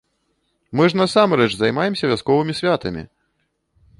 Мы ж, насамрэч, займаемся вясковымі святамі!